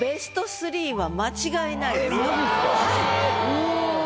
うわ！